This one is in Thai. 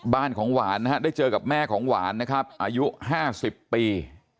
บ้านของหวานนะฮะได้เจอกับแม่ของหวานนะครับอายุ๕๐ปี